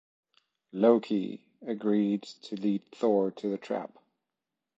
Loki agreed to lead Thor to the trap.